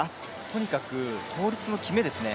とにかく倒立の決めですね。